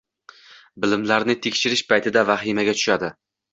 Bilimlarni tekshirish paytida vahimaga tushadi.